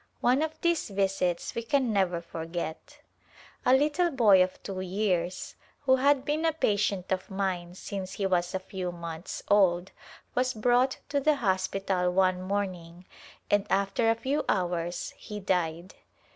One of these visits we can never forget. A little boy of two years, who had been a patient of mine since he was a few months old, was brought to the hospital one morning and after a few hours he died.